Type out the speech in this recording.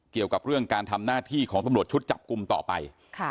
เกี่ยวกับเรื่องการทำหน้าที่ของตำรวจชุดจับกลุ่มต่อไป